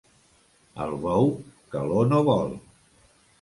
El bou, calor no vol.